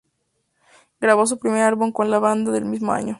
Grabó su primer Álbum con la banda el mismo año.